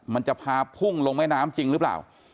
มันจะพาพุ่งลงแม่น้ำจริงหรือเปล่า